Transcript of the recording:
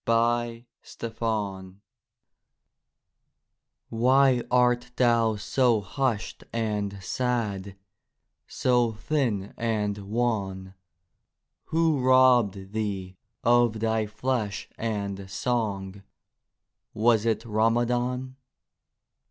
FROM THE ARABIC Why art thou so hushed and sad, So thin and wan? Who robbed thee of thy flesh and song,— Was it Ramadhan?